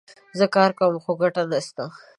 زه کار کوم ، خو ګټه نه سته